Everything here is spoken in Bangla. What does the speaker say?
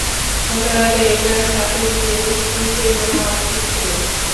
গত রাতে এটা সাথে নিয়েই নিচে নামা উচিত ছিল!